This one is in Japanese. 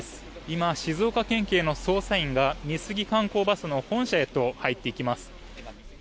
今、静岡県警の捜査員が美杉観光バスの本社へと入っていきます。